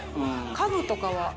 家具とかは？